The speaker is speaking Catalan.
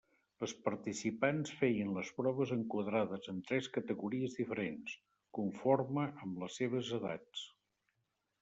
Les participants feien les proves enquadrades en tres categories diferents, conforme amb les seves edats.